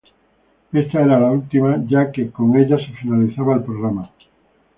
Ésta era la última ya que con ella se finalizaba el programa.